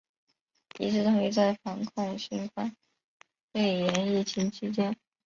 一致同意在防控新冠肺炎疫情期间